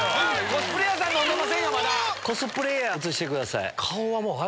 コスプレーヤー映してください。